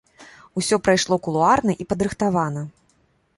Усё прайшло кулуарна і падрыхтавана.